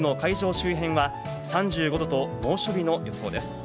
周辺は３５度と猛暑日の予想です。